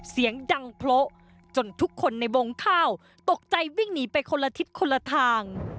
เสียงดังโพะจนทุกคนในวงข้าวตกใจวิ่งหนีไปคนละทิศคนละทาง